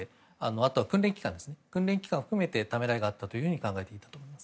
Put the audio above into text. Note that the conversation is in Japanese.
あとは訓練期間を含めてためらいがあったと考えていいと思います。